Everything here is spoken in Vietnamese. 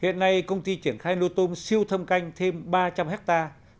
hiện nay công ty triển khai nuôi tôm siêu thâm canh thêm ba trăm linh hectare